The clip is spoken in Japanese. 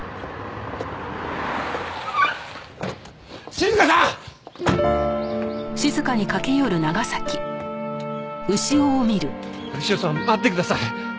静香さん！牛尾さん待ってください。